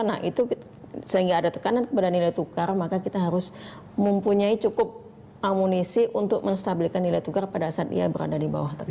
nah itu sehingga ada tekanan kepada nilai tukar maka kita harus mempunyai cukup amunisi untuk menstabilkan nilai tukar pada saat dia berada di bawah